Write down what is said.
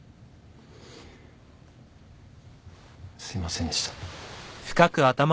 すいませんでした。